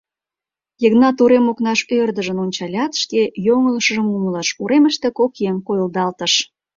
Йыгнат урем окнаш ӧрдыжын ончалят, шке йоҥылышыжым умылыш: уремыште кок еҥ койылдалтыш.